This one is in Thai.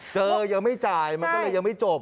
ยังไม่จ่ายมันก็เลยยังไม่จบ